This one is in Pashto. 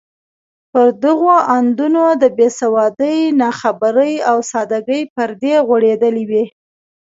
پر دغو اندونو د بې سوادۍ، ناخبرۍ او سادګۍ پردې غوړېدلې وې.